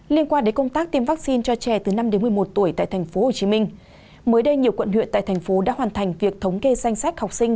liên quan đến công tác tiêm vaccine cho trẻ từ năm đến một mươi một tuổi tại tp hcm mới đây nhiều quận huyện tại thành phố đã hoàn thành việc thống kê danh sách học sinh